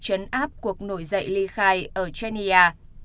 chấn áp cuộc nổi dậy ly khai ở chania